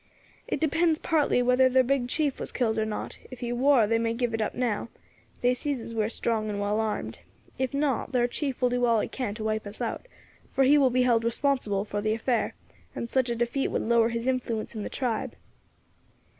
It depends partly whether thar big chief was killed or not; if he war they may give it up now; they sees as we are strong and well armed. If not, thar chief will do all he can to wipe us out, for he will be held responsible for the affair, and such a defeat would lower his influence in the tribe."